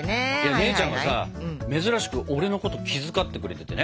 姉ちゃんがさ珍しく俺のことを気遣ってくれててね。